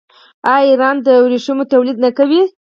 آیا ایران د ورېښمو تولید نه کوي؟